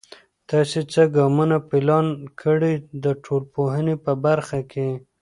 تاسې څه ګامونه پلان کړئ د ټولنپوهنې په برخه کې؟